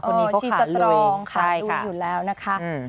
คนนี้เขาขาดลุยใช่ค่ะค่ะดูอยู่แล้วนะคะอืม